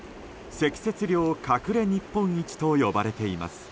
積雪量隠れ日本一と呼ばれています。